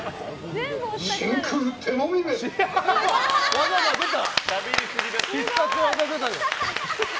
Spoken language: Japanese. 技が出た！